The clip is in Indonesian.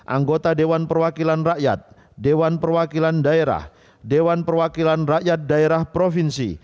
anggota dewan perwakilan rakyat dewan perwakilan daerah dewan perwakilan rakyat daerah provinsi